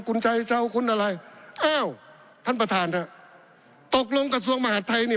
คุณใจชาวคุณอะไรอ้าวท่านประธานฮะตกลงกระทรวงมหาดไทยนี่